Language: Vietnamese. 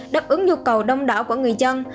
đáp ứng nhu cầu đông đảo của người dân